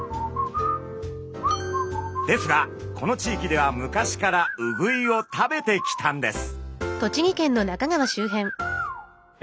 ですがこの地域では昔からウグイを食べてきたんです。